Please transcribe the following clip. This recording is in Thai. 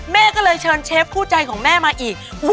แม่ก็เลยเชิญเชฟคู่ใจของแม่มาอีก